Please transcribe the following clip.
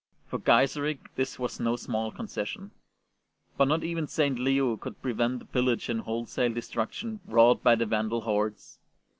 For Gaiseric this was no small concession; but not even St. Leo could prevent the pillage and wholesale destruction wrought by the Vandal hordes.